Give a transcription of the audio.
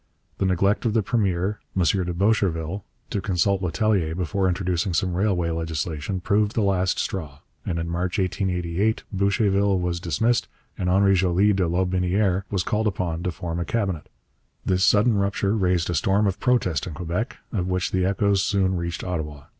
The neglect of the premier, M. de Boucherville, to consult Letellier before introducing some railway legislation proved the last straw, and in March 1878 Boucherville was dismissed and Henri Joly de Lotbinière was called upon to form a Cabinet. This sudden rupture raised a storm of protest in Quebec, of which the echoes soon reached Ottawa.